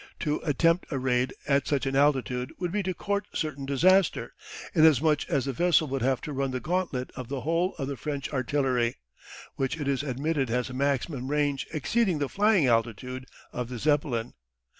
To attempt a raid at such an altitude would be to court certain disaster, inasmuch as the vessel would have to run the gauntlet of the whole of the French artillery, which it is admitted has a maximum range exceeding the flying altitude of the Zeppelin.